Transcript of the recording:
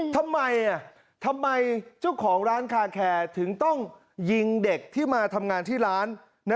ทำไมทำไมเจ้าของร้านคาแคร์ถึงต้องยิงเด็กที่มาทำงานที่ร้าน